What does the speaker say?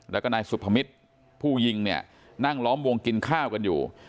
แล้วก็นายสุภมิตรผู้ยิงเนี่ยนั่งล้อมวงกินข้าวกันอยู่